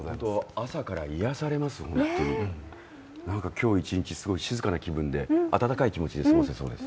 朝から癒やされます、本当に今日一日静かな気分で、温かい気持ちで過ごせそうです。